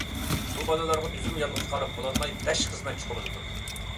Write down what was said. بۇ بالىلارغا ئۆزۈم يالغۇز قاراپ بولالماي، بەش خىزمەتچى قوبۇل قىلدىم.